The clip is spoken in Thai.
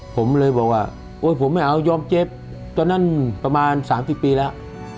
ผมเลยบอกว่าโอ๊ยผมไม่เอายอมเจ็บตอนนั้นประมาณ๓๐ปีแล้ว